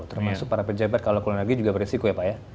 termasuk para pejabat kalau ke luar negeri juga beresiko ya pak ya